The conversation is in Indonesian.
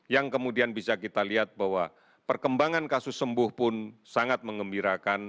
yang kemudian bisa kita lihat bahwa perkembangan kasus sembuh pun sangat mengembirakan